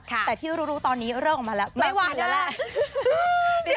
แต่ที่รู้ตอนนี้เลิกออกมาแล้วไม่ไหวแล้วแหละ